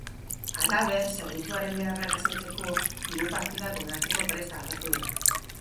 Halaber, zerbitzuaren beharrak asetzeko, diru-partidak onartzeko prest agertu da.